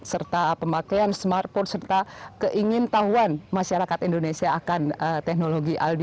serta pemakaian smartphone serta internet